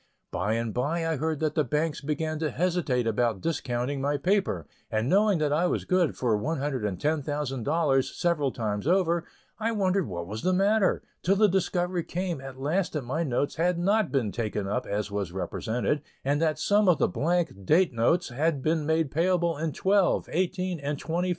By and by I heard that the banks began to hesitate about discounting my paper, and knowing that I was good for $110,000 several times over, I wondered what was the matter, till the discovery came at last that my notes had not been taken up as was represented, and that some of the blank date notes had been made payable in twelve, eighteen, and twenty four months.